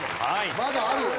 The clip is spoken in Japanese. まだあるよ。